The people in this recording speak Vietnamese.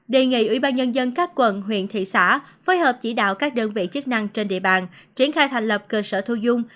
đề nghị ủy ban nhân dân các quận huyện thị xã phối hợp chỉ đạo các đơn vị chức năng trên địa bàn triển khai thành lập cơ sở thu dung